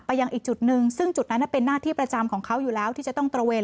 ยังอีกจุดหนึ่งซึ่งจุดนั้นเป็นหน้าที่ประจำของเขาอยู่แล้วที่จะต้องตระเวน